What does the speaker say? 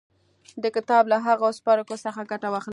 د کتاب له هغو څپرکو څخه ګټه واخلئ